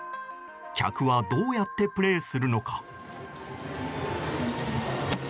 客はどうやってプレーするのか。